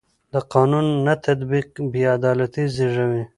د قانون نه تطبیق بې عدالتي زېږوي